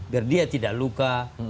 biar dia tidak luka